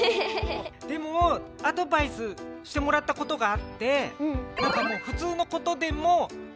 でもアドバイスしてもらったことがあって。